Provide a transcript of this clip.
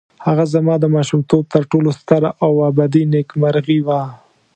هغه زما د ماشومتوب تر ټولو ستره او ابدي نېکمرغي وه.